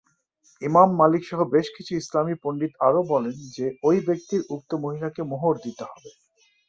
ইমাম মালিক সহ বেশ কিছু ইসলামী পণ্ডিত আরও বলেন যে ঐ ব্যক্তির উক্ত মহিলাকে মোহর দিতে হবে।